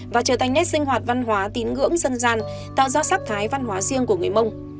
và trở thành nét sinh hoạt văn hóa tín ngưỡng dân gian tạo ra sắc thái văn hóa riêng của người mông